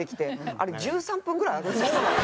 あれ１３分ぐらいあるんですよ。